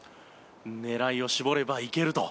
狙いを絞ればいけると。